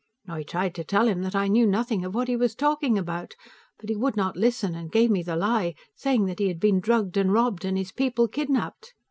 I tried to tell him that I knew nothing of what he was talking about, but he would not listen, and gave me the lie, saying that he had been drugged and robbed, and his people kidnaped.